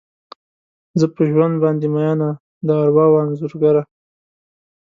زه په ژوند باندې میینه، د ارواوو انځورګره